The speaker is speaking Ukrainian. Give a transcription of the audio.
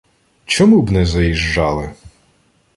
— Чому б не заїжджали!.